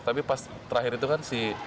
tapi pas terakhir itu kan si